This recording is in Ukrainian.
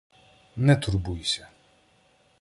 — Не турбуйся.